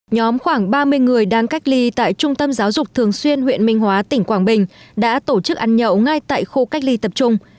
nhóm khoảng ba mươi người đang cách ly tại trung tâm giáo dục thường xuyên huyện minh hóa tỉnh quảng bình đã tổ chức ăn nhậu ngay tại khu cách ly tập trung